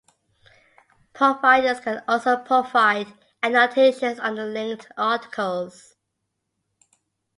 Providers can also provide annotations on the linked articles.